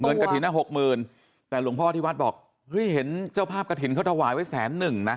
กระถิ่นอ่ะหกหมื่นแต่หลวงพ่อที่วัดบอกเฮ้ยเห็นเจ้าภาพกระถิ่นเขาถวายไว้แสนหนึ่งนะ